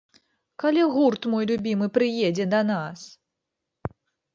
Калі гурт мой любімы прыедзе да нас!!!